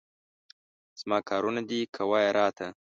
زما کارونه دي، کوه یې راته.